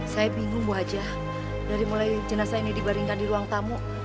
saya bingung wajah dari mulai jenazah ini dibaringkan di ruang tamu